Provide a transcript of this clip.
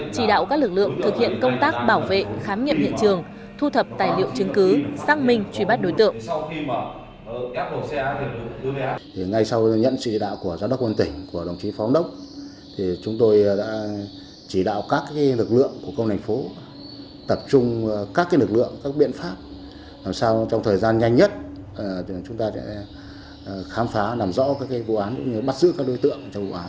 chỉ đạo các lực lượng thực hiện công tác bảo vệ khám nghiệm hiện trường thu thập tài liệu chứng cứ xác minh truy bắt đối tượng